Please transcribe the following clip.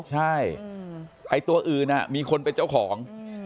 ใช่ไอ้ตัวอื่นมีคนเป็นเจ้าของ